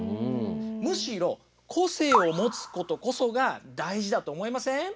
むしろ個性を持つことこそが大事だと思いません？